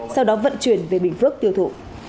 sau đó vận chuyển về bình phước tiêu thụ